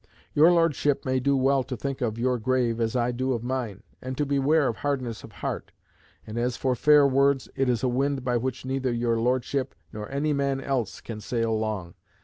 Your Lordship may do well to think of your grave as I do of mine; and to beware of hardness of heart. And as for fair words, it is a wind by which neither your Lordship nor any man else can sail long.